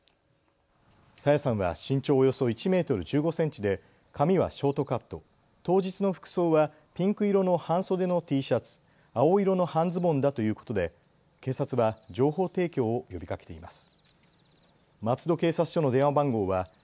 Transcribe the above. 朝芽さんは身長およそ１メートル１５センチで髪はショートカット、当日の服装はピンク色の半袖のＴシャツ、青色の半ズボンだということで警察は情報提供を呼びかけています。